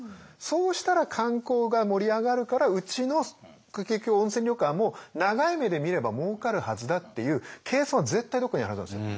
そうしたら観光が盛り上がるからうちの結局温泉旅館も長い目で見ればもうかるはずだっていう計算は絶対どこかにあるはずなんですよ。